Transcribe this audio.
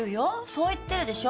そう言ってるでしょ。